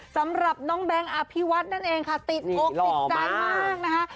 สำหรับน้องแบงค์อภิวัตนั่นเองค่ะติดอกติดใจมากนะคะ